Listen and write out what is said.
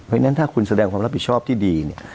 เพราะฉะนั้นถ้าคุณแสดงความรับผิดชอบที่ดีเนี่ย